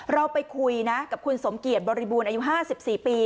เราไปคุยนะกับคุณสมเกียจบริบูรณ์อายุ๕๔ปี